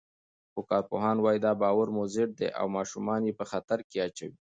خو کارپوهان وايي، دا باور مضر دی او ماشومان یې په خطر کې اچوي.